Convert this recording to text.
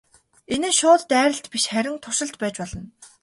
Энэ нь шууд дайралт биш харин туршилт байж болно.